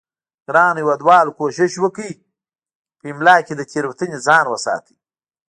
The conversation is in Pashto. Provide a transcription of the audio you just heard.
ګرانو هیوادوالو کوشش وکړئ په املا کې له تیروتنې ځان وساتئ